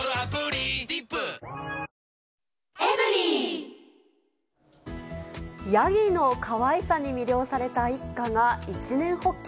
ニトリヤギのかわいさに魅了された一家が、一念発起。